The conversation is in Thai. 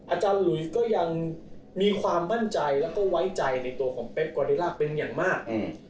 อาจารย์หลุยก็ยังมีความมั่นใจแล้วก็ไว้ใจในตัวของเป๊กกอริล่าเป็นอย่างมาก